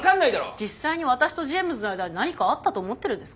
実際に私とジェームズの間に何かあったと思ってるんですか？